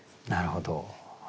なるほど。